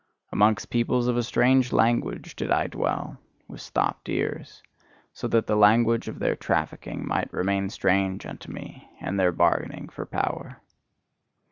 Amongst peoples of a strange language did I dwell, with stopped ears: so that the language of their trafficking might remain strange unto me, and their bargaining for power.